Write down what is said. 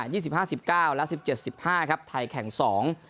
สิบห้าสิบเก้าและสิบเจ็ดสิบห้าครับไทยแข่งสอง